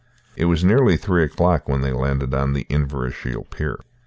It was nearly three o'clock when they landed on the Inverashiel pier.